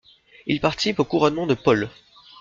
Il participe au couronnement de Paul.